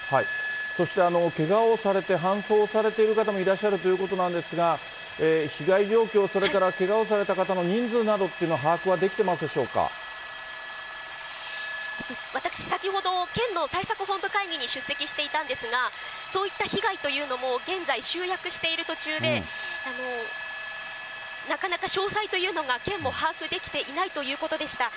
そして、けがをされて搬送されている方もいらっしゃるということなんですが、被害状況、それからけがをされた方の人数などっていうのは把握はできていま私、先ほど県の対策本部会議に出席していたんですが、そういった被害というのも、現在、集約している途中で、なかなか詳細というのが、県も把握できていないということでした。